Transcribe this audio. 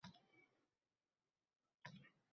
Maktab davridayoq bir-birimizga ko'ngil qo'ydik